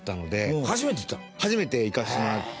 岡安：初めて行かせてもらって。